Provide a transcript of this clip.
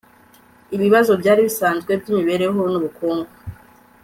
ibibazo byari bisanzwe by'imibereho n'ubukungu